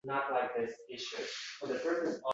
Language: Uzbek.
G’o’ldirab nimadir dedi, xo’rlangan